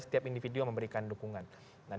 setiap individu memberikan dukungan dan